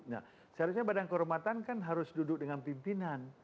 nah seharusnya badan kehormatan kan harus duduk dengan pimpinan